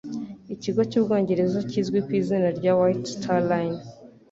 ikigo cy'ubwongereza kizwi ku izina rya White Star Line.